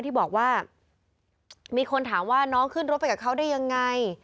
ที่บอกว่ามีคนถามว่าน้องขึ้นรถไปกับเขาได้ยังไง